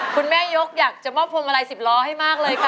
คุณแม่ยกอยากจะมอบพวงมาลัย๑๐ล้อให้มากเลยค่ะ